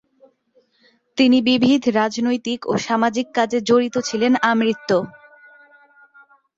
তিনি বিবিধ রাজনৈতিক ও সামাজিক কাজে জড়িত ছিলেন আমৃত্যু।